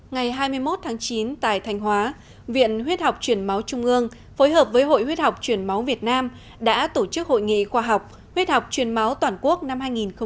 ngày hai mươi một tháng chín tại thành hóa viện huyết học chuyển máu trung ương phối hợp với hội huyết học chuyển máu việt nam đã tổ chức hội nghị khoa học huyết học chuyển máu toàn quốc năm hai nghìn một mươi sáu